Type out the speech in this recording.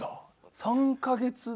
３か月前？